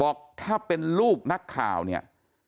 บอกถ้าเป็นลูกนักข่าวเนี่ย